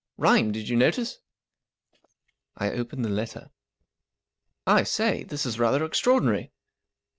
Rhymed, did you notice ?I opened the letter, " I say, this is rather extraordinary."